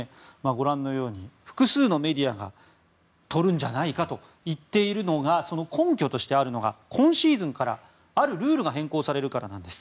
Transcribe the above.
ご覧のように複数のメディアが取るんじゃないかと言っているのがその根拠としてあるのが今シーズンからあるルールが変更されるからなんです。